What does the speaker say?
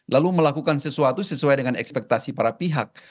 lalu melakukan sesuatu sesuai dengan ekspektasi para pihak